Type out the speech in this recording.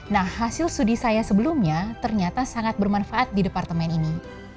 nah hasil studi saya sebelumnya ternyata sangat bermanfaat di departemen ini